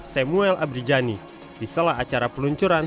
samuel abrijani di selah acara peluncuran